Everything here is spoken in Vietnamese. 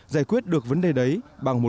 giải quyết được vấn đề đấy bằng một